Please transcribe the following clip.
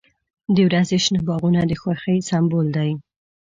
• د ورځې شنه باغونه د خوښۍ سمبول دی.